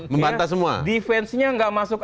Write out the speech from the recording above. membatas semua defense nya nggak masuk